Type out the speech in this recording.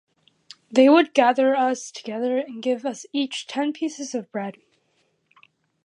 They would gather us together and give us each ten pieces of bread.